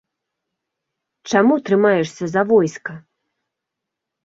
Чаму трымаешся за войска?